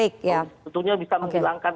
tentunya bisa menghilangkan